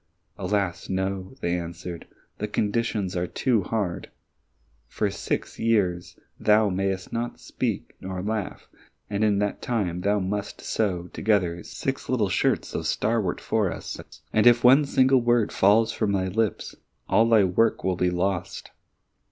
"Alas, no," they answered, "the conditions are too hard! For six years thou mayst neither speak nor laugh, and in that time thou must sew together six little shirts of starwort for us. And if one single word falls from thy lips, all thy work will be lost."